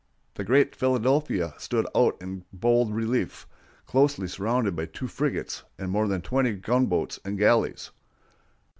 The great Philadelphia stood out in bold relief, closely surrounded by two frigates and more than twenty gunboats and galleys.